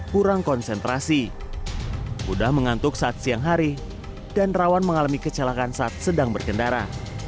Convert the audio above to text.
kurang konsentrasi mudah mengantuk saat siang hari dan rawan mengalami kecelakaan saat sedang berkendara